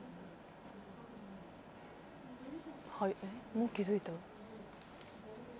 もう気付いた？